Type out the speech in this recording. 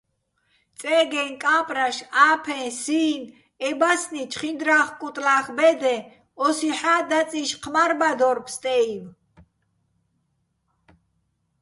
წე́გე, კა́პრაშ, ა́ფეჼ, სი́ნ - ე ბასნი, ჩხინდრა́ხ-კუტლა́ხ ბე́დეჼ, ოსიჰ̦ა́ დაწიშ ჴმა́რბადორ ფსტე́ივ.